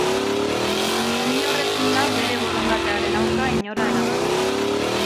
Inor ezin da bere borondatearen aurka inora eraman.